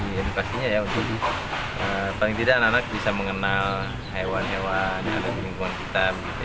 yang pastinya ya untuk paling tidak anak bisa mengenal hewan hewan ada lingkungan kita gitu